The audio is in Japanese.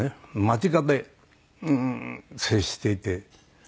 間近で接していて。